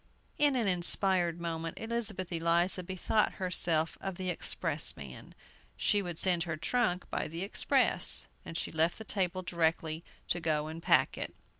In an inspired moment, Elizabeth Eliza bethought herself of the expressman. She would send her trunk by the express, and she left the table directly to go and pack it.